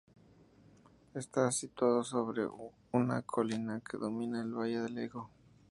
Estás situado sobre una colina que domina el valle del Ego.